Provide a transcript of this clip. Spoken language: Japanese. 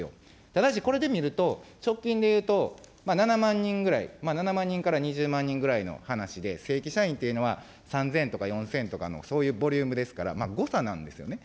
ただしこれで見ると、直近でいうと、７万人ぐらい、７万人から２０万人ぐらいの話で、正規社員というのは、３０００とか４０００とかのそういうボリュームですから、誤差なんですよね。